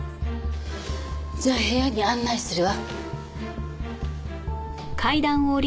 じゃあ部屋に案内するわ。